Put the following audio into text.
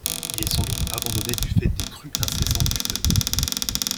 Il est sans doute abandonné du fait des crues incessantes du fleuve.